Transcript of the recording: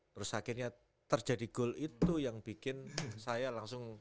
terus akhirnya terjadi goal itu yang bikin saya langsung